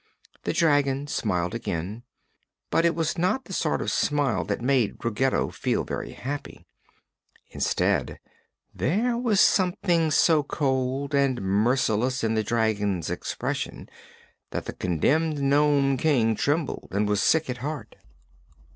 The dragon smiled again, but it was not the sort of smile that made Ruggedo feel very happy. Instead, there was something so cold and merciless in the dragon's expression that the condemned Nome King trembled and was sick at heart.